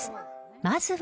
［まずは］